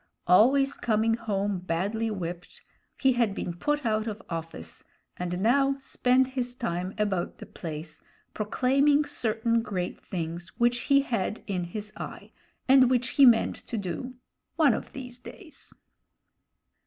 Always coming home badly whipped, he had been put out of office, and now spent his time about the place, proclaiming certain great things which he had in his eye and which he meant to do one of these days.